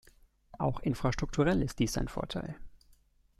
Auch infrastrukturell ist dies ein Vorteil.